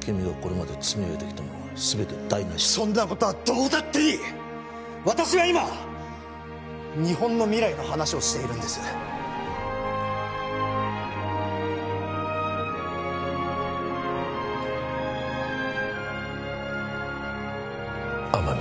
君がこれまで積み上げてきたものが全て台無しそんなことはどうだっていい私は今日本の未来の話をしているんです天海